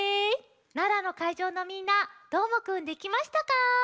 奈良のかいじょうのみんなどーもくんできましたか？